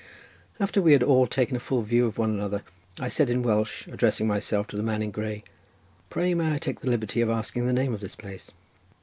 After we had all taken a full view of one another I said in Welsh, addressing myself to the man in grey, "Pray may I take the liberty of asking the name of this place?"